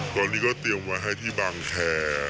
ตอนนี้ก็เตรียมไว้ให้ที่บางแคร์